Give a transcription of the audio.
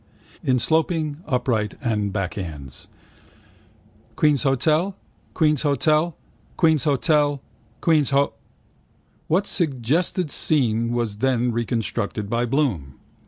In sloping, upright and backhands: Queen's Hotel, Queen's Hotel, Queen's Hotel. Queen's Ho... What suggested scene was then reconstructed by Bloom?